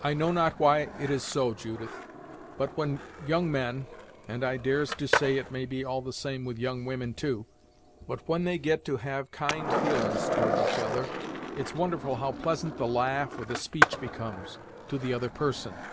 I know not why it is so, Judith, but when young men and I dares to say it may be all the same with young women, too but when they get to have kind feelin's towards each other, it's wonderful how pleasant the laugh, or the speech becomes, to the other person.